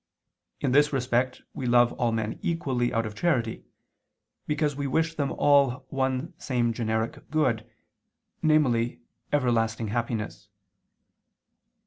In this respect we love all men equally out of charity: because we wish them all one same generic good, namely everlasting happiness.